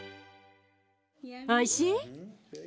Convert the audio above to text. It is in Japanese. おいしい？